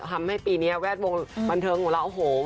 ทำให้ปีนี้แวดวงบันเทิงของเราโอ้โห